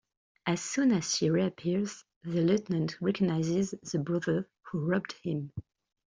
As soon as she reappears the lieutenant recognises the "brother" who robbed him.